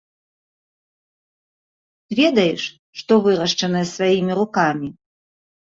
А тут ведаеш, што вырашчанае сваімі рукамі.